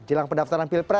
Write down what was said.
jelang pendaftaran pilpres